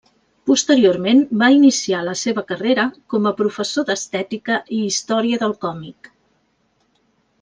Posteriorment va iniciar la seva carrera com a professor d'estètica i història del còmic.